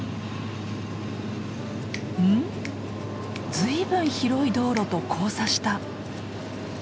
随分広い道路と交差した。